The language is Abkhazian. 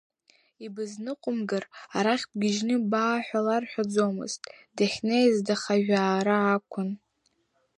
Ибызныҟәымгар, арахь бгьежьны баа ҳәа ларҳәаӡомызт, дахьнеиз дахажәаар акәын.